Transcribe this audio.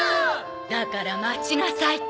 だから待ちなさいって。